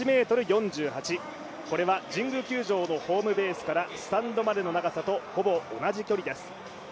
これは神宮球場のホームベースからスタンドまでの長さとほぼ同じ長さです。